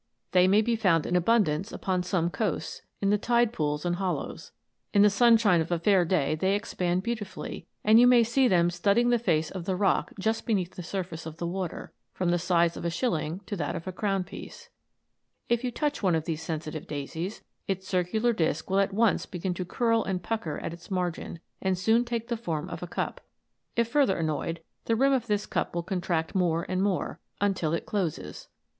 They may be found in abundance upon some coasts, in the tide pools and hollows. In the sunshine of a fair day they expand beautifully, and you may see them studding the face of the rock just beneath the surface of the water, from the size of a shilling to that of a crown piece. If you touch one of these sensitive daisies, its circular disc will at once begin to curl and pucker at its margin, and soon take the * Bunodes Crassicornis. t Actinia Bellis. K2 132 ANIMATED FLOWERS. form of a cup; if further annoyed, the rim of this cup will contract more and more, until it closes.